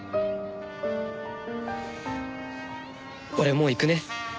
俺もう行くね。